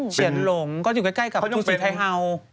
เฉียนหลงก็อยู่ใกล้กับทุกสิทธิ์ไทยฮาล